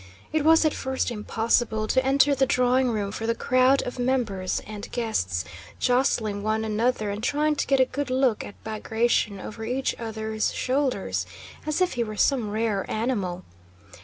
It was at first impossible to enter the drawing room door for the crowd of members and guests jostling one another and trying to get a good look at Bagratión over each other's shoulders, as if he were some rare animal.